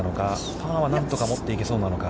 パーは何とか持っていけそうなのか。